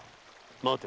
待て。